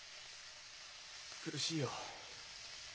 苦しいよ。